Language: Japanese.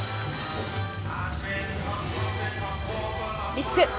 リスク。